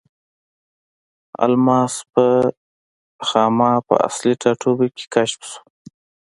الماس په خاما په اصلي ټاټوبي کې کشف شو.